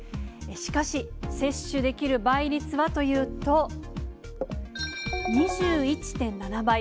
しかし、接種できる倍率はというと、２１．７倍。